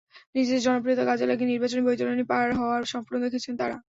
নিজেদের জনপ্রিয়তা কাজে লাগিয়ে নির্বাচনী বৈতরণি পার হওয়ার স্বপ্ন দেখছেন তাঁরা।